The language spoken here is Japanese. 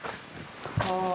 ああ。